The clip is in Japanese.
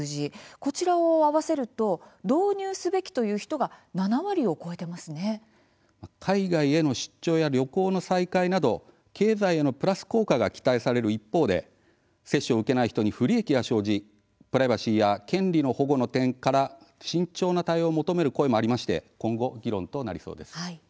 こちらを合わせると導入すべきという人が海外への出張や旅行の再開など経済へのプラス効果が期待される一方で接種を受けない人に不利益が生じプライバシーや権利の保護の点から慎重な対応を求める声もありまして今後、議論となりそうです。